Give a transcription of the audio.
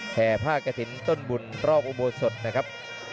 แห่ผ้ากระถิ่นต้นบุญรอบอุโบสถนะครับ